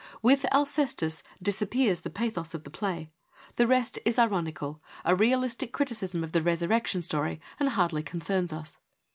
With Alcestis disappears the pathos of the play. The rest is ironical, a realistic criticism of the resur rection story and hardly concerns us.